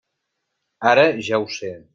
Ara ja ho sé.